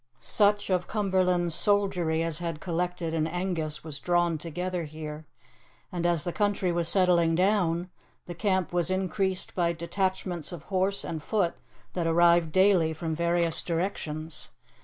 Such of Cumberland's soldiery as had collected in Angus was drawn together here, and as the country was settling down, the camp was increased by detachments of horse and foot that arrived daily from various directions.